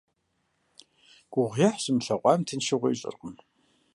Гугъуехь зымылъэгъуам тыншыгъуэ ищӀэркъым.